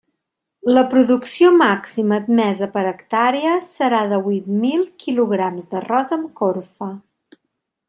La producció màxima admesa per hectàrea serà de huit mil quilograms d'arròs amb corfa.